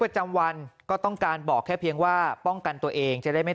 จำวันก็ต้องการบอกแค่เพียงว่าป้องกันตัวเองจะได้ไม่